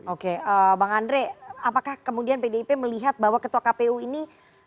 oke bang andre apakah kemudian pdip melihat bahwa ketua kpu ini